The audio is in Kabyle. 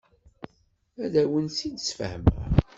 Ad awen-tt-id-sfehmeɣ.